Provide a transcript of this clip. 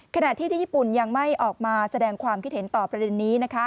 ขณะที่ที่ญี่ปุ่นยังไม่ออกมาแสดงความคิดเห็นต่อประเด็นนี้